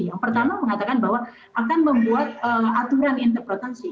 yang pertama mengatakan bahwa akan membuat aturan interpretasi